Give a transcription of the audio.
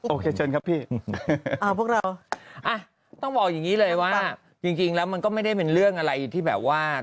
โอเคเชิญครับพี่พวกเราอ่ะต้องบอกอย่างนี้เลยว่าจริงแล้วมันก็ไม่ได้เป็นเรื่องอะไรที่แบบว่า